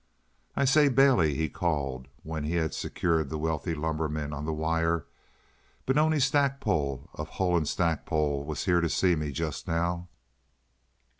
"I say, Bailey," he called, when he had secured the wealthy lumberman on the wire, "Benoni Stackpole, of Hull & Stackpole, was here to see me just now."